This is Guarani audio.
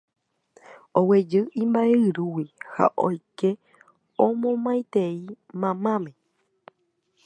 Oguejy imba'yrúgui ha oike omomaitei mamáme.